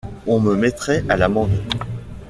On me mettrait à l’amende.